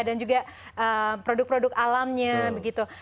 dan juga produk produk alamnya begitu